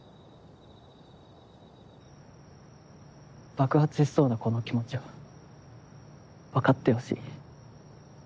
爆発しそうなこの気持ちを分かってほしい。